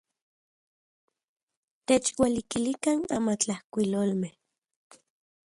Techualikilikan amatlajkuilolmej.